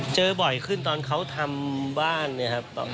เจอบ่อยขึ้นตอนเขาทำบ้านเนี่ยครับ